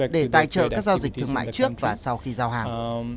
để tài trợ các giao dịch thương mại trước và sau khi giao hàng